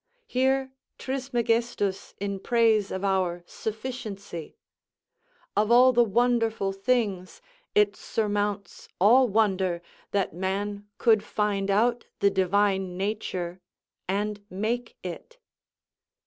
Hear Trismegistus in praise of our sufficiency: "Of all the wonderful things, it surmounts all wonder that man could find out the divine nature and make it."